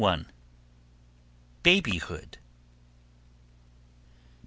BABYHOOD.